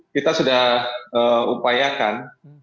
kita sudah upayakan